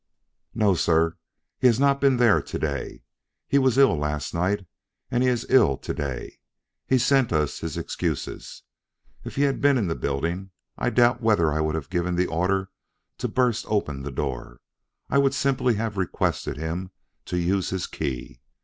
"No, sir; he has not been there to day. He was ill last night, and he is ill to day. He sent us his excuses. If he had been in the building, I doubt whether I would have given the order to burst open the door. I would simply have requested him to use his key.